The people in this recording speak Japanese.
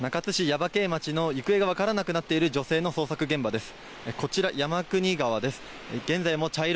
中津市耶馬渓町の行方が分からなくなっている女性の捜索現場です。